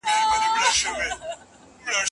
دولت به په برېښنايي حکومتولۍ کار وکړي.